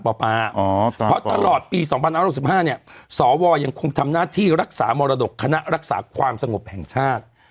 เพราะตลอดปี๒๕๖๕เนี่ยสวยังคงทำหน้าที่รักษามรดกคณะรักษาความสงบแห่งชาติ